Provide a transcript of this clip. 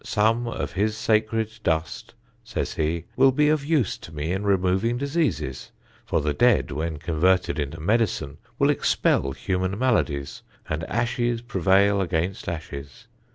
Some of his sacred dust (says he) will be of use to me in removing diseases; for the dead, when converted into medicine, will expel human maladies, and ashes prevail against ashes.